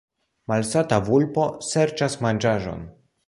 Malsata vulpo serĉas manĝaĵon.